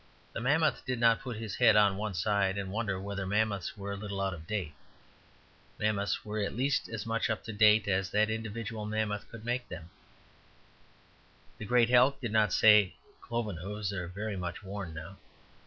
The mammoth did not put his head on one side and wonder whether mammoths were a little out of date. Mammoths were at least as much up to date as that individual mammoth could make them. The great elk did not say, "Cloven hoofs are very much worn now."